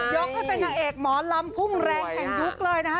ให้เป็นนางเอกหมอลำพุ่งแรงแห่งยุคเลยนะคะ